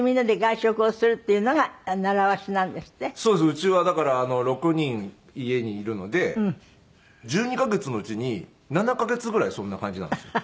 うちはだから６人家にいるので１２カ月のうちに７カ月ぐらいそんな感じなんですよ